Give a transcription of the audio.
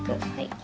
はい。